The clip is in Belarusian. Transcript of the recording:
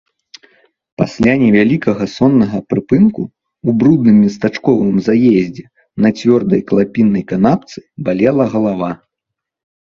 Пасля невялікага соннага прыпынку ў брудным местачковым заездзе, на цвёрдай клапінай канапцы, балела галава.